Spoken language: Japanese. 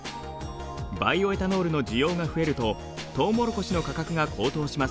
バイオエタノールの需要が増えるとトウモロコシの価格が高騰します。